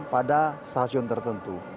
pada stasiun tertentu